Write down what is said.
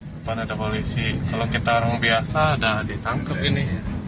depan ada polisi kalau kita orang biasa ada ditangkap ini